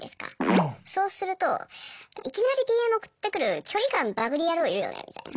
そうすると「いきなりＤＭ送ってくる距離感バグり野郎いるよね」みたいな。